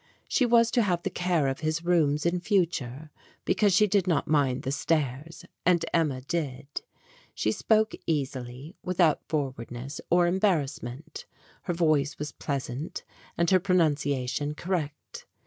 She was to have the care of his rooms in future, because she did not mind the stairs, and Emma did. She spoke easily, without forwardness or embarrassment. Her voice was pleasant, and her pronunciation correct.